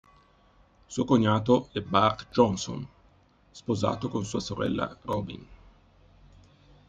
Suo cognato è Bart Johnson, sposato con sua sorella Robyn.